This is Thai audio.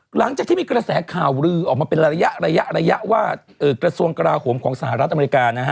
หลังจากที่มีกระแสข่าวลือออกมาเป็นระยะระยะว่ากระทรวงกราโหมของสหรัฐอเมริกานะฮะ